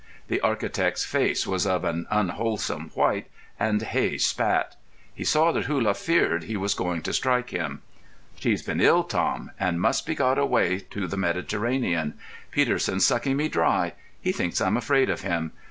The architect's face was of an unwholesome white, and Hey spat. He saw that Hullah feared he was going to strike him. "She's been ill, Tom, and must be got away to the Mediterranean. Peterson's sucking me dry; he thinks I'm afraid of him.